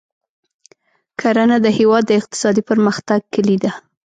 کرنه د هېواد د اقتصادي پرمختګ کلي ده.